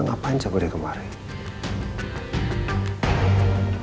ngapain coba dia kemarin